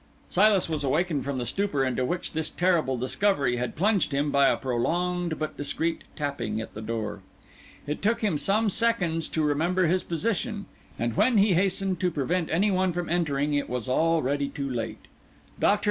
Silas was awakened from the stupor into which his terrible discovery had plunged him by a prolonged but discreet tapping at the door. It took him some seconds to remember his position; and when he hastened to prevent anyone from entering it was already too late. Dr.